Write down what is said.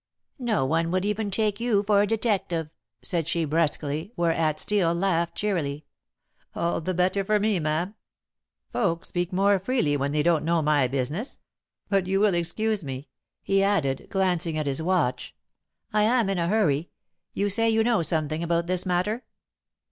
"No one would even take you for a detective," said she brusquely, whereat Steel laughed cheerily. "All the better for me, ma'am. Folk speak more freely when they don't know my business. But you will excuse me," he added, glancing at his watch, "I am in a hurry. You say you know something about this matter?"